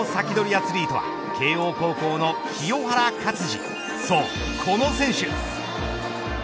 アツリートは慶応高校の清原勝児そうこの選手。